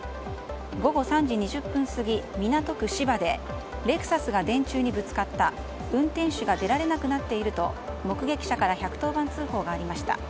午後３時２０分過ぎ、港区芝でレクサスが電柱にぶつかった運転手が出られなくなっていると目撃者から１１０番通報がありました。